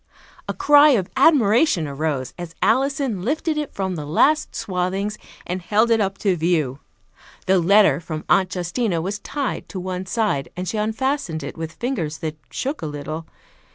A cry of admiration arose as Alison lifted it from the last swathings and held it up to view. The letter from Aunt Justina was tied to one side, and she unfastened it with fingers that shook a little.